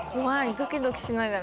ドキドキしながら。